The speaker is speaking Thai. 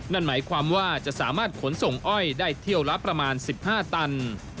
นั่นหมายความว่าจะสามารถขนส่งอ้อยได้เที่ยวละประมาณ๑๕ตัน